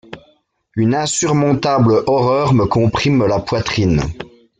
Une insurmontable horreur me comprime la poitrine.